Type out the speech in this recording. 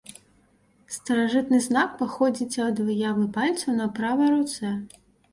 Старажытны знак паходзіць ад выявы пальцаў на правай руцэ.